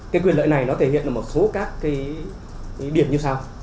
cái quyền lợi này nó thể hiện một số các điểm như sau